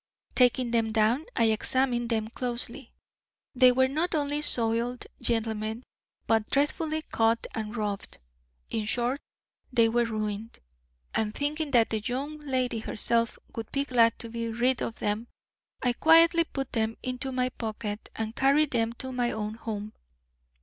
Taking them down, I examined them closely. They were not only soiled, gentlemen, but dreadfully cut and rubbed. In short, they were ruined, and, thinking that the young lady herself would be glad to be rid of them, I quietly put them into my pocket, and carried them to my own home.